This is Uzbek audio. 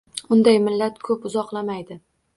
Unday millat koʻp uzoqlamaydi